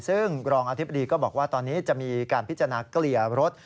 ซึ่งรองอธิบดีก็บอกว่าตอนนี้จะมีการพิจารณาเกลี่ยรถ